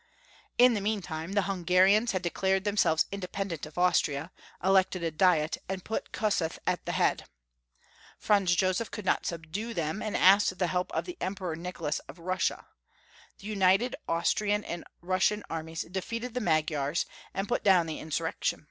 In the meantime the Hungarians had declared themselves independent of Austria, elected a Diet, and put Kossuth at the head. Franz Joseph could 464 Young Fonc%\ HiBtory of Germany. not subdue them, and asked the help of the Em peror Nicholas of Russia. The united Austrian and Russian armies defeated the Magj'^ars, and put down the insurrection.